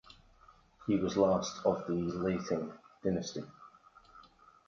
He was the last of the Lething Dynasty.